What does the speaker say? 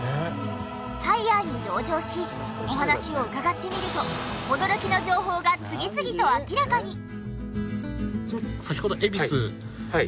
ハイヤーに同乗しお話を伺ってみると驚きの情報が次々と明らかに！